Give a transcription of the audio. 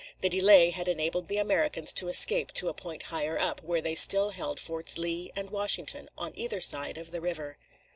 The delay had enabled the Americans to escape to a point higher up, where they still held Forts Lee and Washington, on either side of the river.